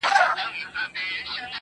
څخه چي څه ووايم څنگه درته ووايم چي,